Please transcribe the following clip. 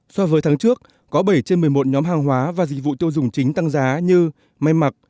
so với tháng trước có bảy trên một mươi một nhóm hàng hóa và dịch vụ tiêu dùng chính tăng giá như may mặc